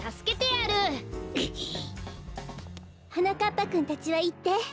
はなかっぱくんたちはいって。